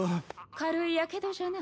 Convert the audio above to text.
軽いやけどじゃな。